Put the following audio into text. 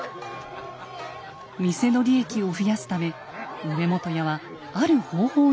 店の利益を増やすため梅本屋はある方法に打って出ます。